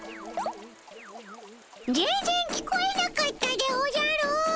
全然聞こえなかったでおじゃる。